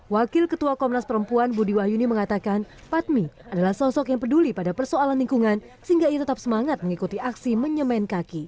wakil ketua komnas perempuan budi wahyuni mengatakan patmi adalah sosok yang peduli pada persoalan lingkungan sehingga ia tetap semangat mengikuti aksi menyemen kaki